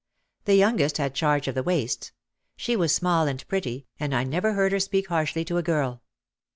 The youngest had charge of the waists. She was small and pretty and I never heard her speak harshly to a girl.